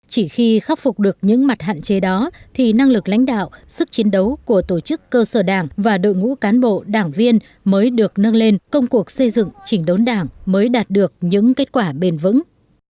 chỉ khi khắc phục được những mặt hạn chế đó thì năng lực lãnh đạo sức chiến đấu của tổ chức cơ sở đảng và đội ngũ cán bộ đảng viên mới được nâng lên công cuộc xây dựng chỉnh đốn đảng mới đạt được những kết quả bền vững